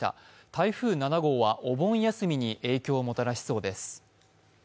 台風７号はお盆休みに影響をもたらしそうです。